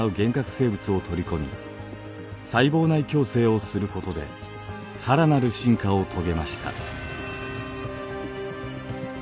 生物を取り込み細胞内共生をすることで更なる進化を遂げました。